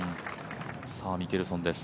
ミケルソンです。